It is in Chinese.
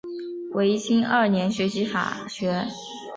维新二年学习法学。